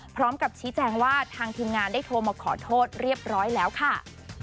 พร้อมกับชี้แจงว่าทางทีมงานได้โทรมาขอโทษเรียบร้อยแล้วค่ะ